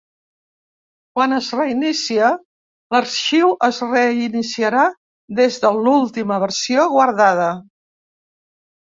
Quan es reinicia, l'arxiu es reiniciarà des de l'última versió guardada.